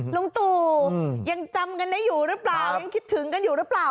ลุงตู่ยังจำกันได้อยู่หรือเปล่ายังคิดถึงกันอยู่หรือเปล่า